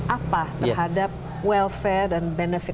apa terhadap welfare dan benefit